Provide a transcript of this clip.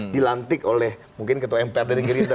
dilantik oleh mungkin ketua mpr dari gerindra